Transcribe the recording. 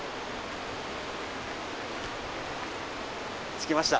着きました。